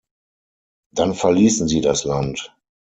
Dann verließen sie das Land.